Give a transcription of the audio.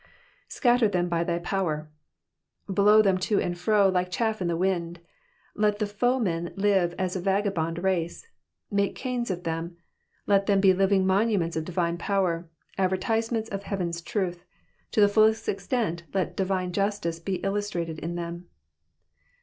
^^ Scatter them by thy power.''^ Blow them to and fro, like chaS in the wind. Let the foe men live as a vagabond race. Make Cains of them. Let them be living monuments of divine power, advertisements of heaven's truth. To the fullest extent let divine justice be illustrated in them.